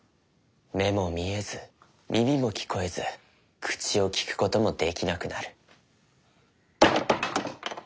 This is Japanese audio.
目も見えず耳も聞こえず口をきくこともできなくなる。